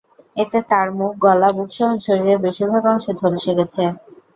এতে তাঁর মুখ, গলা, বুকসহ শরীরের বেশির ভাগ অংশ ঝলসে গেছে।